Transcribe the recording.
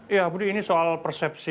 ya budi ini soal persepsi